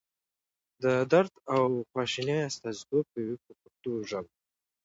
د درد او خواشینۍ استازیتوب کوي په پښتو ژبه.